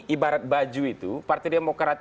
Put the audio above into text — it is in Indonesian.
ibarat baju itu partai demokrat